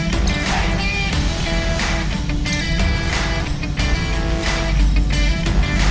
kisah kisah kisah kisah kisah kisah kisah